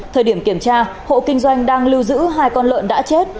thời điểm kiểm tra hộ kinh doanh đang lưu giữ hai con lợn đã chết